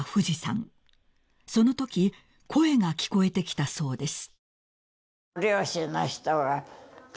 ［そのとき声が聞こえてきたそうです］